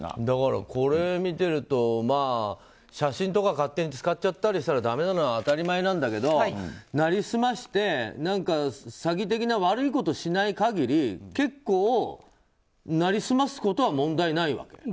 だから、これ見てると写真とか勝手に使っちゃったりしたらだめなのは当たり前なんだけど成り済まして詐欺的な悪いことをしない限り結構、成り済ますことは問題ないわけ？